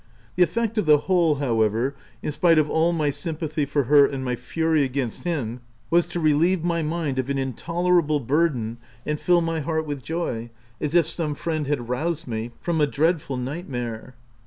The effect of the whole, however, in spite of all my sympathy for her and my fury against him, was to relieve my mind of an in tolerable burden and fill my heart with joy, as if some friend had roused me from a dreadful night mare.